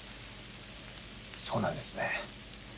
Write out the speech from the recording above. そうなんですね。